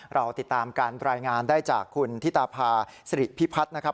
เราติดตามการรายงานได้จากคุณธิตาภาษิริพิพัฒน์นะครับ